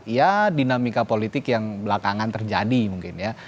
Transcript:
ya dinamika politik yang belakangan terjadi mungkin ya